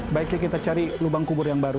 baiknya kita cari lubang kubur yang baru